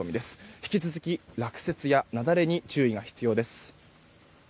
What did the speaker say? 引き続き落雪や雪崩に注意が必要です。